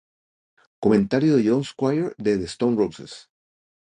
Comentario de John Squire de The Stone Roses.